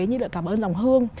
như là cảm ơn dòng hương